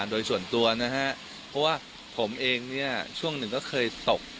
โดยส่วนตัวนะฮะเพราะว่าผมเองเนี่ยช่วงหนึ่งก็เคยตก